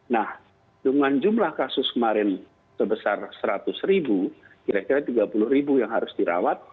nah dengan jumlah kasus kemarin sebesar seratus ribu kira kira tiga puluh ribu yang harus dirawat